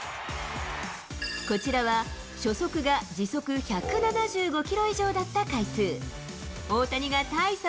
こちらは、初速が時速１７５キロ以上だった回数。